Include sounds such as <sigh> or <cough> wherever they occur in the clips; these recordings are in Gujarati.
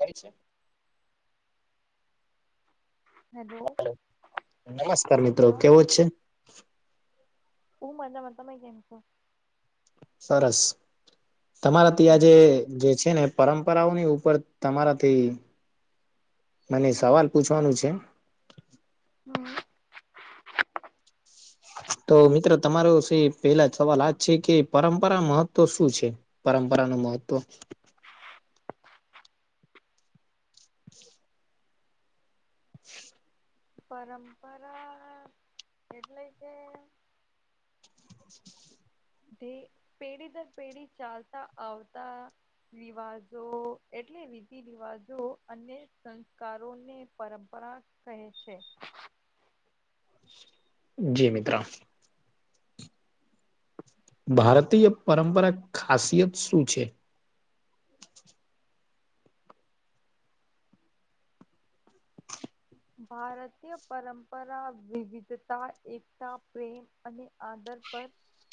કઈ છે હેલો હલો નમસ્કાર મિત્રો હા કેવો છે હું મજામાં તમે કેમ છો સરસ તમારાથી આજે હમ જે છે ને પરંપરાઓની ઉપર તમારાથી મને સવાલ પૂછવાનું છે હમ્મ તો મિત્ર તમારો શે પેલા સવાલ આજ છે કે પરંપરા મહત્વ શું છે પરંપરા નુ મહત્વ પરંપરા એટલે કે તે પેઢી દર પેઢી ચાલતા આવતા રિવાશો એટલે રીતિ-રિવાશો અને સંસ્કારોને પરંપરા કહે છે. જી મિત્ર ભારતીય પરંપરા ખાસિયત શું છે ભારતીય પરંપરા વિવિધતા એકતા પ્રેમ અને આદર પર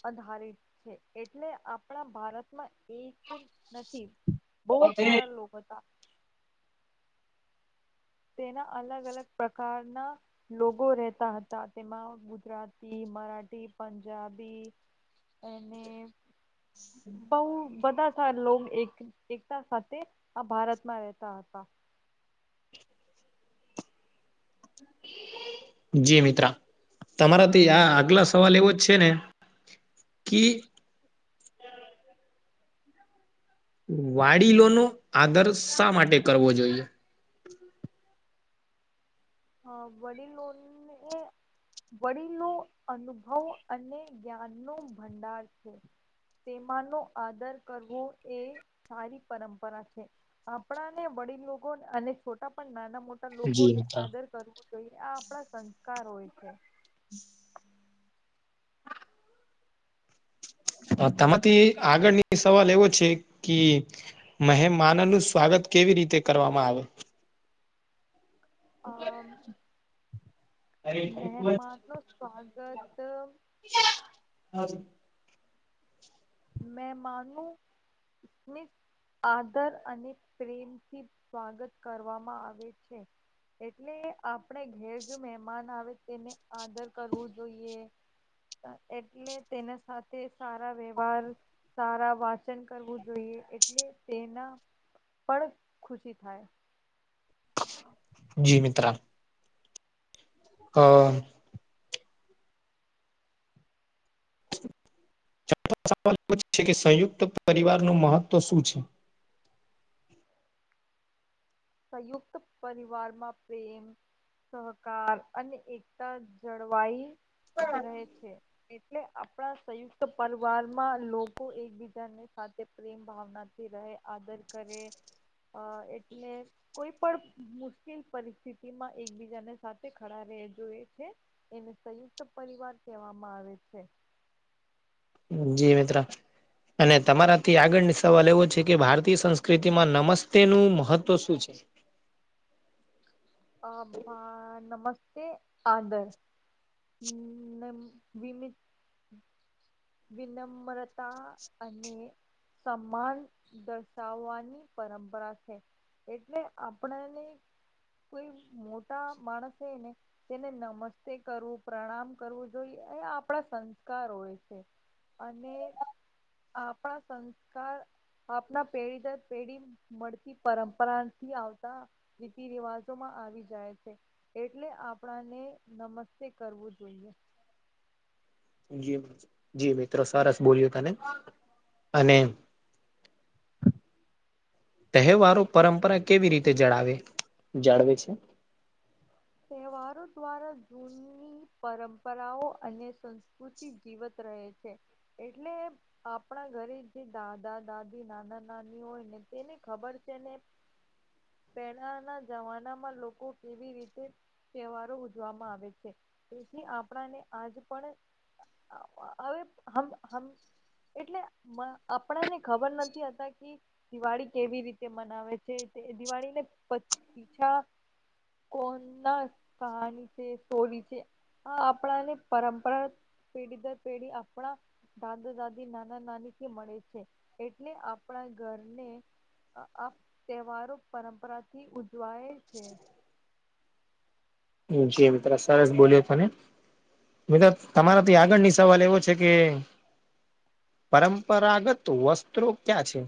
આધારિત છે એટલે આપણા ભારતમાં એક નથી બહુ સારા લોક હતા. તેના અલગ અલગ પ્રકારના લોકો રહેતા હતા તેમાં ગુજરાતી મરાઠી પંજાબી એને બઉ. બધા સાર લોક એક એકતા સાથે આ ભારતમાં રહેતા હતા. જી મિત્ર તમારાથી આ આગલા સવાલ એવો જ છે ને કી. વાડીલોનો આદર્શ માટે કરવો જોઈએ હ વડીલોન ને. વડીલો અનુભવ અને જ્ઞાનનો ભંડાર છે તેમાનો આદર કરવો એ સારી પરંપરા છે. આપણા ને વડીલ લોકો અને છોટા પણ નાના-મો ટા જી લોકોને મિત્ર આદર કરવું જોઈએ આ આપણા સંસ્કાર હોય છે. <inaudible> તમાંથી આગળની સવાલ એવો છે કી મહે માનનું સ્વાગત કેવી રીતે કરવામાં આવે. અ <unintelligible> મહેમાનનું સ્વાગત. <unintelligible> મેં માનું મિસ. આદર અને પ્રેમથી સ્વાગત કરવામાં આવે છે. એટલે આપણે ઘેર જો મહેમાન આવે, તેને આદર કરવું જોઈએ. એટલે તેના સાથે સારા વહે. વાર સારા વાચન કરવું જોઈએ, એટલે તેના પણ ખુશી થાય. જી મિત્ર. અઅ. <unintelligible> કે સંયુક્ત પરિવારનું મહત્વ શું છે. સંયુક્ત પરિવારમાં પ્રેમ. સહકાર અને એકતા જળવાઈ રહે. છે, એટલે આપડા સંયુક્ત પરવારમાં લોકો એકબીજાને સાથે પ્રેમ ભાવનાથી રહે, આદર કરે, અ એટલે કોઈ પણ મુશ્કેલ પરિસ્થિતિમાં એકબીજાને, સાથે ખડા રહે, જોએ છે. એને સંયુક્ત પરિવાર કહેવામાં આવે છે. જી મિત્ર. અને તમારાથી આગળની સવાલ એવો છે કે, ભારતીય સંસ્કૃતિમાં નમસ્તેનું મહત્વ શું છે. અ ભા નમસ્તે આંદર. હમ, બીમીત. વિનમ્રતા અને સમ્માન દર્શાવવાની પરંપરા છે. એટલે આપણાને કોઈ મોટા માણસને. તેને નમસ્તે કરવું, પ્રણામ કરવું જોઈએ, એ આપણા સંસ્કાર હોય છે. અને આપણા સંસ્કાર આપના પેઢી દર પેઢી મળતી પરંપરાથી આવતા. રીતિ રિવાજોમાં આવી જાય છે. એટલે આપણાને નમસ્તે કરવું જોઈએ. જે જી મિત્રો સરસ બોલ્યો તને, અને તહેવારો પરંપરા કેવી રીતે જળાવે જાળવે છે. તહેવારો દ્વારા જૂની પરંપરાઓ અને સંસ્કૃતિ જીવત રહે છે, એટલે આપણા ઘરે જે દાદા-દાદી, નાના-નાની હોય ને, તેને ખબર છે ને. પહેલાના જમાનામાં લોકો કેવી રીતે તહેવારો ઉજવામાં આવે છે, તેથી આપણાને આજ પણ <unintelligible> એટલે આપણાને ખબર નથી હતા કે દિવાળી કેવી રીતે મનાવે છે, તે દિવાળીને પીછા કોન ના કહાની છે, સોરી છે, આપણાને પરંપરા પીઢી દર પીઢી આપણા દાદા-દાદી, નાના-નાની થી મળે છે, એટલે આપણા ઘરને આ તહેવારો પરંપરાથી ઉજવાય છે. જી મિત્ર સરસ બોલ્યા તને તમારા થી આગળની સવાલ એવો છે કે પરંપરાગત વસ્ત્રો ક્યાં છે?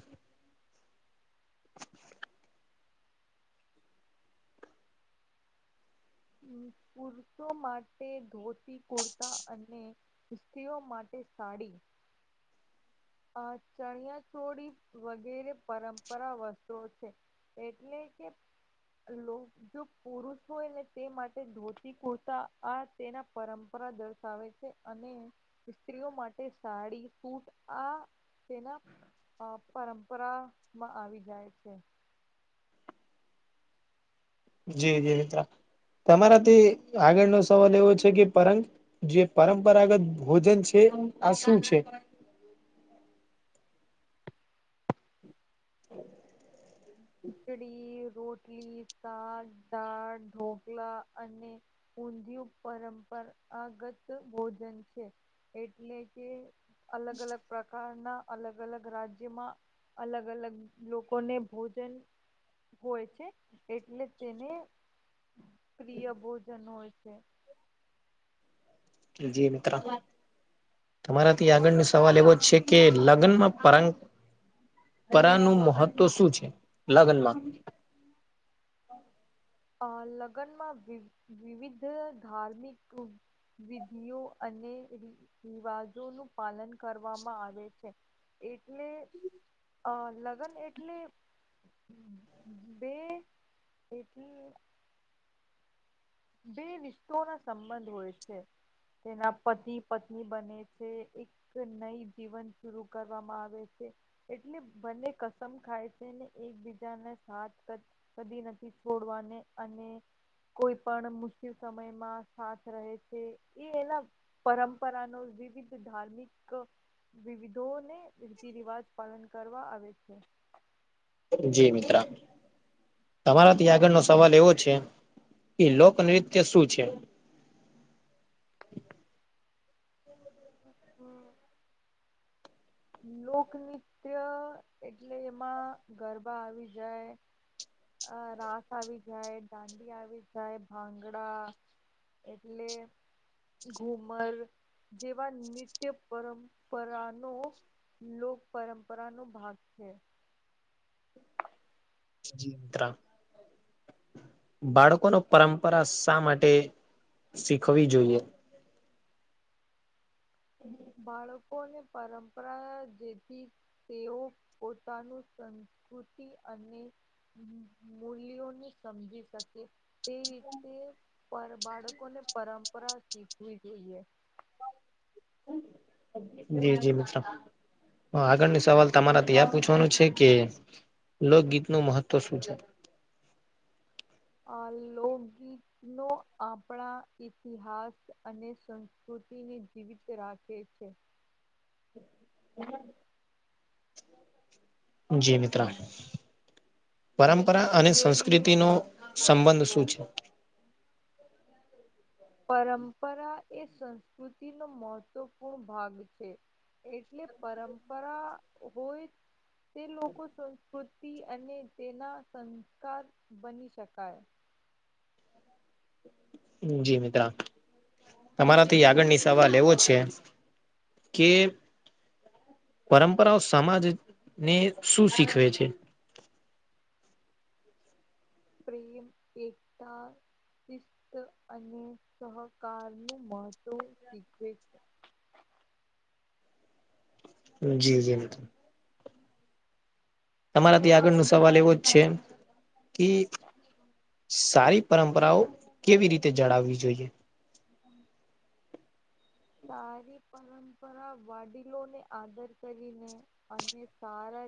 પુરુષો માટે ધોતી, કુર્તા અને સ્ત્રીઓ માટે સાડી અ ચણિયાચોળી વગેરે પરંપરા વસ્તુઓ છે. એટલે કે લો જો પુરુષ હોય ને, તે માટે ધોતી-કોતા આ તેના પરંપરા દર્શાવે છે. અને સ્ત્રીઓ માટે સાડી, સૂટ આ તેના પરંપરા માં આવી જાય છે. જી, જી મિત્ર, તમારાથી આગળનો સવાલ એવો છે કે, પરંગ જે પરંપરાગત ભોજન છે, આ શું છે? <unintelligible> ખીચડી, રોટલી, શાક, દાળ, ઢોકલા અને ઊંધિયુ પરંપરાગત ભોજન છે. એટલે કે અલગ-અલગ પ્રકારના, અલગ-અલગ રાજ્યમાં, અલગ-અલગ લોકોને ભોજ જન હોય છે, એટલે તેને પ્રિય ભોજન હોય છે. જી મિત્ર. તમારાથી આગળની સવાલ એવો છે કે, લગ્નમાં પરં પરંપરા નું મહત્વ શું છે લગ્નમાં? અ લગ્નમાં વિવિધ ધાર્મિક વિધિઓ અને રિવાજો નું પાલન કરવામાં આવે છે. એટલે અ લગ્ન એટલે બે <unintelligible> બે નિષ્ઠોના સંબંધ હોય છે. તેના પતિ-પત્ની બને છે, એક એક ન‌ઈ જીવન શુરુ કરવામાં આવે છે. એટલે બંને કસમ ખાય છે ને, એકબીજાના સાથ કદી નથી છોડવાને, અને કોઈ પણ મુશ્કેલ સમયમાં સાથ રહે છે, એ એના. પરંપરાનો વિવિધ ધાર્મિક વિવિધોને રીતિ-રિવાજ પાલન કરવા આવે છે. જી મિતિત્રા. તમારાથી આગળનો સવાલ એવો છે કે, લોકનૃત્ય શું છે? હ, હમ. લોકનૃત્ય એટલે એમાં ગરબા આવી જાય. અ રાસ આવી જાય, દાંડી આવી જાય, ભાંગડા. એટલે ઘુમર જેવા નિત્ય પરંપરાનો લોક પરંપરા નો ભાગ છે. જી મિત્રા. બાળકો નું પરંપરા શા માટે શીખવી જોઈએ? હમ બાળકોને પરંપરા જેથી તેઓ પોતાનું સંસ્કૃતિ અને મૂલ્યોની સમજી શકે તે રીતે પર બાળકોને પરંપરા શીખવી જોઈએ જી જી મ હ આગળની સવાલ તમારે ત્યાં પૂછવાનું છે કે લોકગીત નું મહત્વ શું છે આ લોકગીત નો આપણા ઇતિહાસ અને સંસ્કૃતિને જીવિત રાખે છે હ <inaudible> જી મિત્રા પરંપરા અને સંસ્કૃતિ નો સંબંધ શું છે પરંપરા એ સંસ્કૃતિનો મહત્વપૂર્ણ ભાગ છે એટલે પરંપરા હોય તે લોકો સંસ્કૃતિ અને તેના સંસ્કાર બની શકાય જી મિત્રા તમારા થી આગળની સવાલ લ એવો છે કે પરંપરાઓ સમાજ ને શું શીખવે છે પ્રેમ એકગતા શિસ્ત અને સહકારનું મહત્વ શીખવે જી જી મમ તમારાથી આગળ ન સવાલ એવો જ છે કે સારી પરંપરાઓ કેવી રીતે જળાવવી જોઈએ સારી પરંપરા વાડીલોને આદર કરીને અને સારા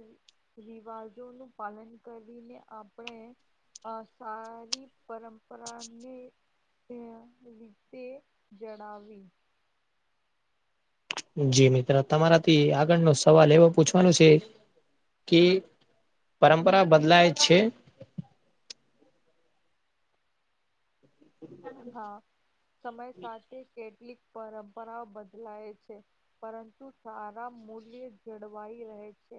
રિવાજોનું પાલન કરીને આપણે અ સારી પરંપરાને રીતે જડાવી જી મિત્ર તમારાથી આગળનો સવાલ એવો પૂછવાનું છે કે પરંપરા બદલાય છે હા સમય સાથે કેટલીક પરંપરાઓ બદલાય છે પરંતુ સારા મૂલ્ય જળવાઈ રહે છે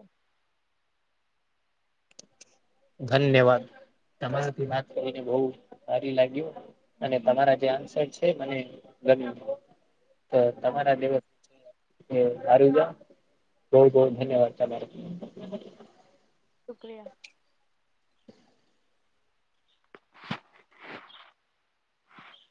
ધન્યવાદ તમારાથી વાત કરીને બહ સારી લાગ્યું અને તમારા જે આન્સર છે મને ગમ તો હમ તમારા દસ <unintelligible> ખૂબ ખૂબ ધન્યવાદ તમારો શુક્રિયા